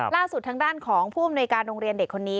ล่าสุดทางด้านของผู้อำนวยการโรงเรียนเด็กคนนี้